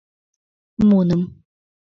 Муным...